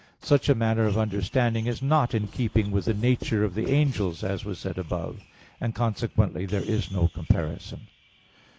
Such a manner of understanding is not in keeping with the nature of the angels, as was said above (Q. 55, A. 2, A. 3 ad 1), and consequently there is no comparison.